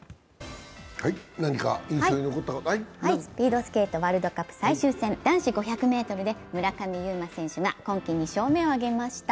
スピードスケートワールドカップ最終戦男子５００ｍで村上右磨選手が今季２勝目を挙げました。